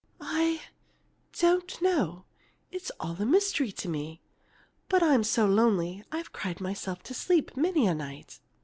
"I don't know. It's all a mystery to me. But I'm so lonely I've cried myself to sleep many a night."